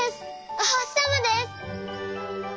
おほしさまです！